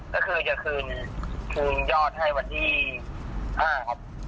ก็คือจะคืนคืนยอดให้วันที่๕ครับ